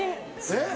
えっ？